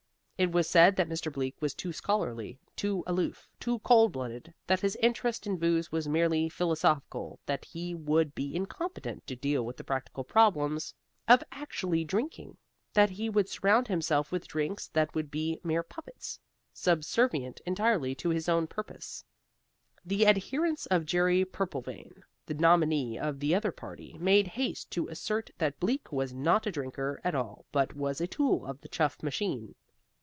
It was said that Mr. Bleak was too scholarly, too aloof, too cold blooded: that his interest in booze was merely philosophical, that he would be incompetent to deal with the practical problems of actual drinking: that he would surround himself with drinks that would be mere puppets, subservient entirely to his own purposes. The adherents of Jerry Purplevein, the nominee of the other party, made haste to assert that Bleak was not a drinker at all but was a tool of the Chuff machine.